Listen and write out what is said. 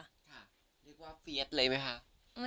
เรียกว่าเฟียสเลยไหมคะ